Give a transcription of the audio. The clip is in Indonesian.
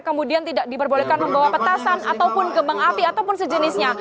kemudian tidak diperbolehkan membawa petasan ataupun gembang api ataupun sejenisnya